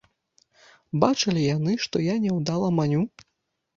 Бачылі яны, што я няўдала маню.